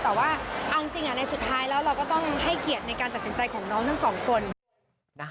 แต่ว่าเอาจริงในสุดท้ายแล้วเราก็ต้องให้เกียรติในการตัดสินใจของน้องทั้งสองคน